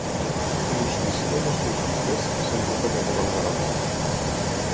Il·lustríssima no és pels bisbes? —sento que remuga el Garota.